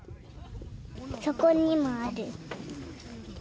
そこにもある。